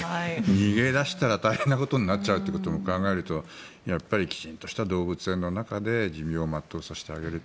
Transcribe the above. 逃げ出したら大変なことになっちゃうということも考えるとやっぱりきちんとした動物園の中で寿命を全うさせてあげる。